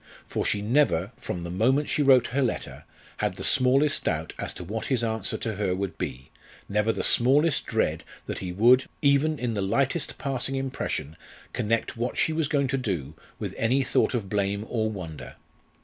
For she never, from the moment she wrote her letter, had the smallest doubt as to what his answer to her would be; never the smallest dread that he would, even in the lightest passing impression, connect what she was going to do with any thought of blame or wonder.